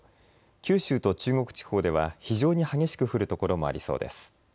九州と中国地方では非常に激しく降る所もありそうです。